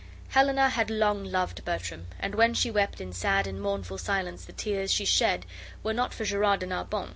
Helena had long loved Bertram, and when she wept in sad and mournful silence the tears she shed were not for Gerard de Narbon..